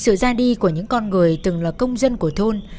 sự ra đi của những con người từng là công dân của thôn